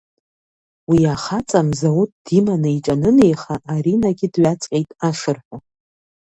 Уи ахаҵа мзауҭ диманы иҿанынеиха, Аринагьы дҩаҵҟьеит ашырҳәа.